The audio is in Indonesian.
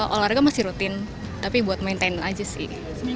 olahraga masih rutin tapi buat maintain aja sih